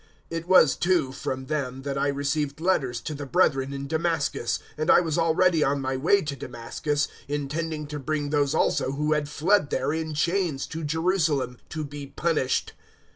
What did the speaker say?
It was, too, from them that I received letters to the brethren in Damascus, and I was already on my way to Damascus, intending to bring those also who had fled there, in chains to Jerusalem, to be punished.